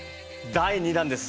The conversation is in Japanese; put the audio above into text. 第２弾です。